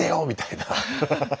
みたいな。